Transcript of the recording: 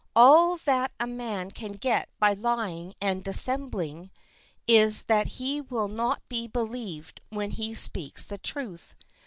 All that a man can get by lying and dissembling is that he will not be believed when he speaks the truth.